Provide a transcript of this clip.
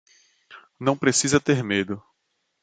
Não precisa ter medo.